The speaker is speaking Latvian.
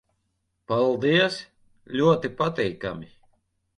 Paldies. Ļoti patīkami...